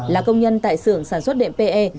là công nhân tại sưởng sản xuất đệm pe